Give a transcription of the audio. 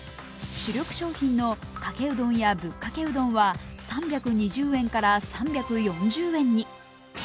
主力商品のかけうどんやぶっかけうどんは３２０円から３４０円に。